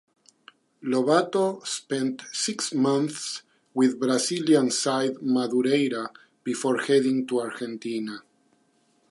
Lobato spent six months with Brazilian side Madureira before heading to Argentina.